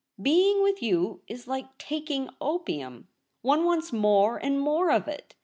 Being with you is like taking opium — one wants more and more of it.